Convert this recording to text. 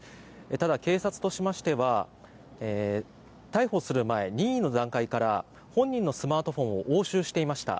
ただ警察としましては逮捕する前、任意の段階から本人のスマートフォンを押収していました。